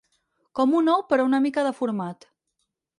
Com un ou però una mica deformat.